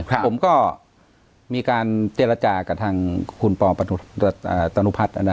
ผมก็มีการเจรจากับทางคุณปอตนุพัฒน์